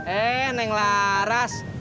eh neng laras